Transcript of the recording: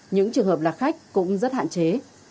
những trường hợp lạc khách cũng rất hạn chế